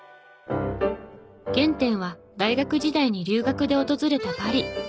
原点は大学時代に留学で訪れたパリ。